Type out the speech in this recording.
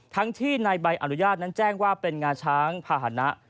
ทั้งที่ในใบอนุญาตนั้นแจ้งว่าเป็นงาช้างภาษณะ